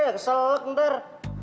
nggak kesel ntar